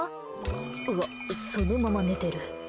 うわ、そのまま寝てる。